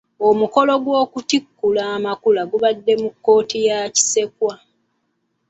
Omukolo gw'okutikkula amakula gubadde mu kkooti ya Kisekwa.